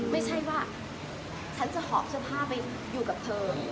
ไม่ใช่ว่าฉันจะหอบเสื้อผ้าไปอยู่กับเธอ